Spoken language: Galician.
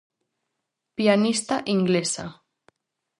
Pianista inglesa.